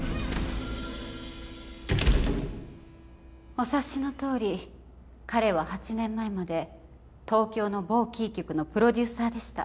お察しのとおり彼は８年前まで東京の某キー局のプロデューサーでした。